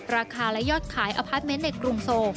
ราคาและยอดขายอพาร์ทเมนต์ในกรุงโซล